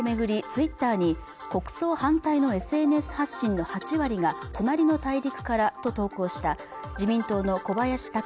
ツイッターに国葬反対のＳＮＳ発信の８割が隣の大陸からと投稿した自民党の小林貴虎